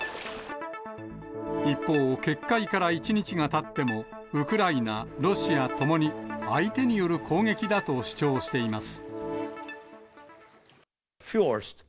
一方、決壊から１日がたっても、ウクライナ、ロシアともに、相手による攻撃だと主張しています。